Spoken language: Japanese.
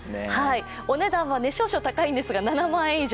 お値段は少々高いんですが、７万円以上。